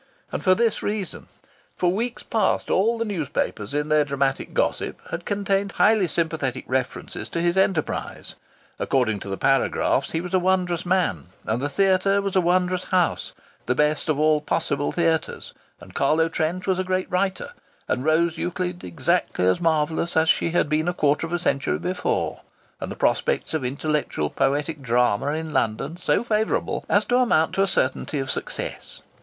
And for this reason: for weeks past all the newspapers, in their dramatic gossip, had contained highly sympathetic references to his enterprise. According to the paragraphs, he was a wondrous man, and the theatre was a wondrous house, the best of all possible theatres, and Carlo Trent was a great writer, and Rose Euclid exactly as marvellous as she had been a quarter of a century before, and the prospects of the intellectual poetic drama in London so favourable as to amount to a certainty of success.